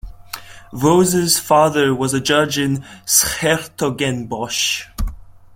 Vos's father was a judge in 's-Hertogenbosch.